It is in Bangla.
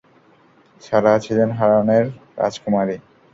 সারাহ ছিলেন হারানের রাজকুমারী।